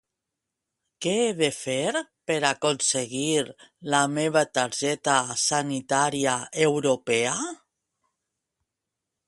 Què he de fer per aconseguir la meva targeta sanitària europea?